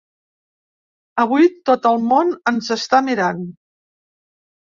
Avui tot el món ens està mirant.